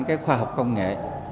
cái khoa học công nghệ